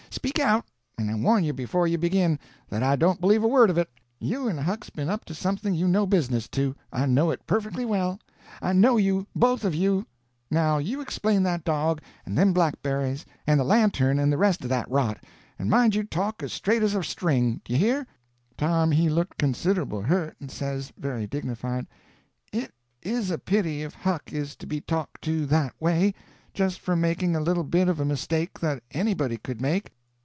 Speak out—and I warn you before you begin, that I don't believe a word of it. You and Huck's been up to something you no business to—I know it perfectly well; I know you, both of you. Now you explain that dog, and them blackberries, and the lantern, and the rest of that rot—and mind you talk as straight as a string—do you hear?" Tom he looked considerable hurt, and says, very dignified: "It is a pity if Huck is to be talked to that way, just for making a little bit of a mistake that anybody could make."